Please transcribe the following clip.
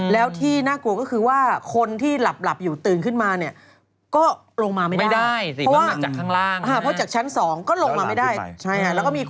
แล้วที่น่ากลัวก็คือว่าคนที่หลับอยู่ตื่นขึ้นมาเนี่ยก็ลงมาไม่ได้